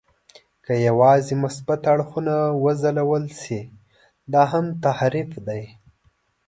که یوازې مثبت اړخونه وځلول شي، دا هم تحریف دی.